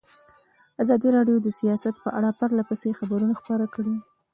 ازادي راډیو د سیاست په اړه پرله پسې خبرونه خپاره کړي.